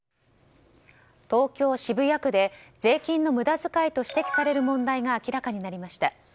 東京・渋谷区で税金の無駄遣いと指摘される問題が明らかになりました。